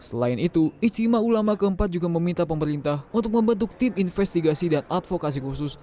selain itu istimewa ulama keempat juga meminta pemerintah untuk membentuk tim investigasi dan advokasi khusus